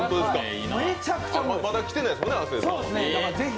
まだ、来てないですもんね、亜生さん。